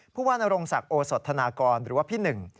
ผู้ว่านรงศักดิ์โอสดธนากรหรือว่าพี่หนึ่ง